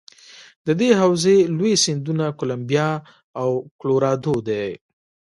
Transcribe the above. د دې حوزې لوی سیندونه کلمبیا او کلورادو دي.